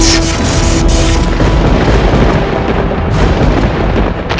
dia itu aviat kotak